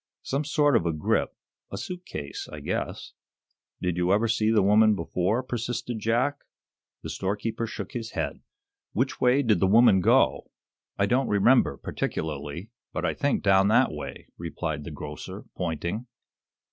"Some sort of a grip a suit case, I guess." "Did you ever see the woman before?" persisted Jack. The storekeeper shook his head. "Which way did the woman go?" "I don't remember, particularly, but I think down that way," replied the grocer, pointing.